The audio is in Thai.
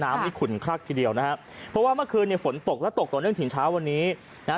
น้ำนี่ขุนครักทีเดียวนะฮะเพราะว่าเมื่อคืนเนี่ยฝนตกและตกต่อเนื่องถึงเช้าวันนี้นะฮะ